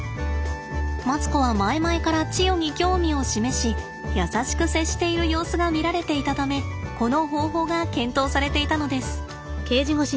マツコは前々からチヨに興味を示し優しく接している様子が見られていたためこの方法が検討されていたのです。